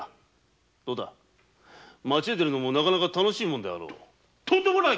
どうだ町に出るのもなかなか楽しいもんだろう。